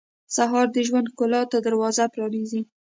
سهار د ژوند ښکلا ته دروازه پرانیزي.